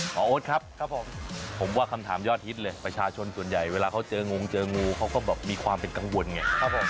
โอ๊ตครับผมผมว่าคำถามยอดฮิตเลยประชาชนส่วนใหญ่เวลาเขาเจองงเจองูเขาก็แบบมีความเป็นกังวลไงครับผม